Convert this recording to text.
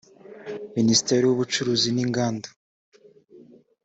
minisitiri w ubucuruzi n inganda